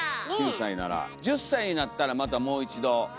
１０歳になったらまたもう一度。